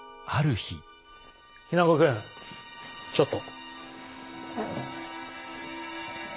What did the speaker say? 日名子君ちょっと。